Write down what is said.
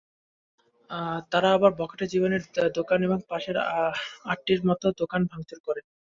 তারা আবার বখাটে জীবনের দোকান এবং পাশের আটটির মতো দোকান ভাঙচুর করে।